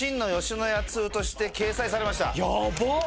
やばっ！